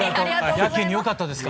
やけに良かったですか？